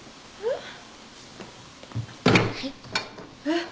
えっ？